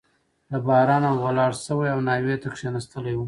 له بارانه ولاړ شوی او ناوې ته کښېنستلی وو.